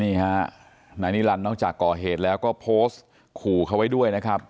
นี่ฮะนายนิรันดินอกจากก่อเหตุแล้วก็โพสต์ขู่เขาไว้ด้วยนะครับ